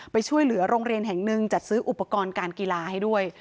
ไปช่วยเหลือโรงเรียนแห่งหนึ่งจัดซื้ออุปกรณ์การกีฬาให้ด้วย